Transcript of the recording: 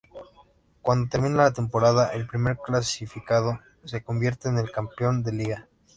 Cuando termina la temporada, el primer clasificado se convierte en el campeón de liga.